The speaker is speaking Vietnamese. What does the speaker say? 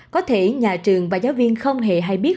có thể nhà trường và giáo viên không hề hay biết